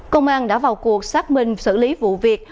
công an đã vào cuộc xác minh xử lý vụ việc